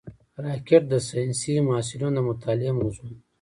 راکټ د ساینسي محصلینو د مطالعې موضوع ده